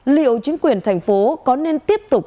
liệu chính quyền thành phố có nên tiếp tục